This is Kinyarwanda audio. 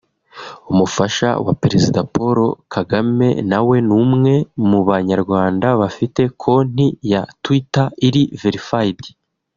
umufasha wa Perezida Paul Kagame nawe ni umwe mu banyarwanda bafite konti ya Twitter iri Verified